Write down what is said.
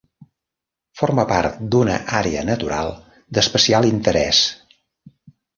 Forma part d'una àrea natural d'especial interès.